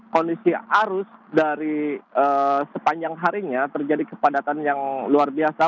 kondisi arus dari sepanjang harinya terjadi kepadatan yang luar biasa